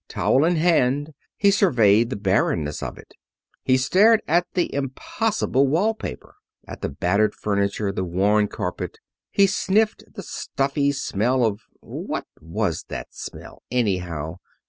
Towel in hand he surveyed the barrenness of it. He stared at the impossible wall paper, at the battered furniture, the worn carpet. He sniffed the stuffy smell of what was that smell, anyhow?